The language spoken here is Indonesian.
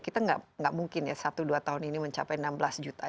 kita nggak mungkin ya satu dua tahun ini mencapai enam belas juta